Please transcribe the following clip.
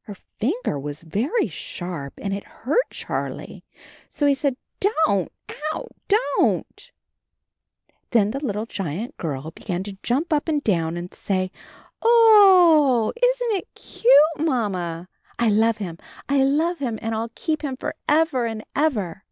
Her finger was very sharp, and it hurt Charlie, so he said, "Don't. O w! Don't." Then the little giant girl began to jump AND HIS KITTEN TOPSY 7 up and down and to say, "O o o o eeee, isn't it cute, Manama? I love him, I love him, and I'll keep him forever and ever."